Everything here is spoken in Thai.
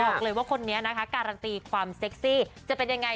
บอกเลยว่าคนนี้นะคะการันตีความเซ็กซี่จะเป็นยังไง